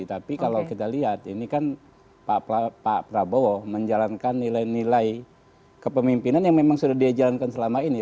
tapi kalau kita lihat ini kan pak prabowo menjalankan nilai nilai kepemimpinan yang memang sudah dia jalankan selama ini